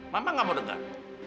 mama gak mau denger